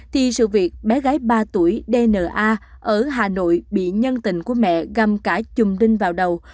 thì sự việc bé gái ba tuổi dna ở hà nội bị nhân tình của mẹ găm cả chùm đinh vào đầu